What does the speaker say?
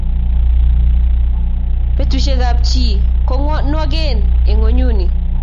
Betusiekap chi ko nwagen eng’ ng’onyuni